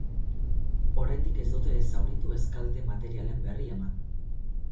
Oraindik ez dute ez zauritu ez kalte materialen berri eman.